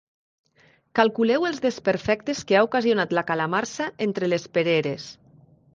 Calculeu els desperfectes que ha ocasionat la calamarsa entre les pereres.